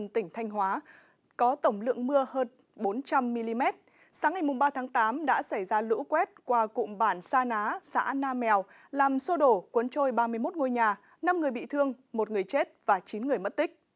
ngày ba tháng tám đã xảy ra lũ quét qua cụm bản sa ná xã nam mèo làm sô đổ cuốn trôi ba mươi một ngôi nhà năm người bị thương một người chết và chín người mất tích